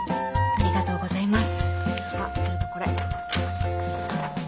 ありがとうございます。